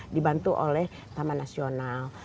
dibantu oleh taman nasional